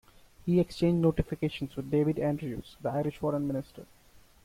He exchanged notifications with David Andrews, the Irish foreign minister.